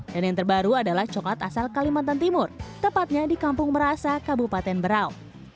dan yang terbaru adalah coklat asal kalimantan timur tepatnya di kampung merasa kabupaten berau